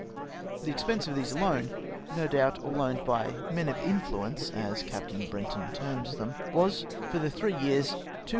The expense of these alone, no doubt all owned by "men of influence" as Captain Brenton terms them, was for the three years 270,000